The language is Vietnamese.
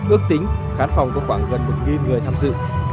ước tính khán phòng có khoảng gần một người tham dự